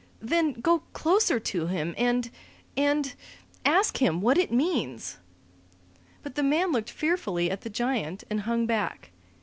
Then go closer to him, and and ask him what it means." But the man looked fearfully at the giant and hung back.